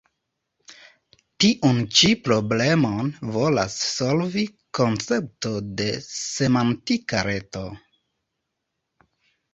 Tiun ĉi problemon volas solvi koncepto de Semantika Reto.